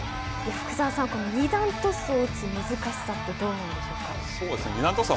福澤さん、この二段トスを打つ難しさってどうなんでしょうか。